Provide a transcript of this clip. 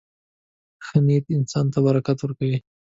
• ښه نیت انسان ته برکت ورکوي.